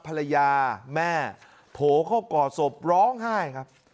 ภรรยาแม่โผล่เข้าก่อศพร้องไห้ครับ